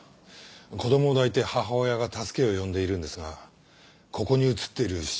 子供を抱いて母親が助けを呼んでいるんですがここに写っている７人。